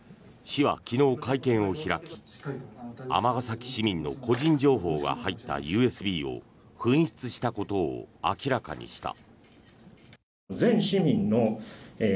市は昨日、会見を開き尼崎市民の個人情報が入ったＵＳＢを紛失したことを明らかにした。